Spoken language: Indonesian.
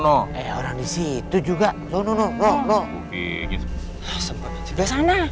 orang disitu juga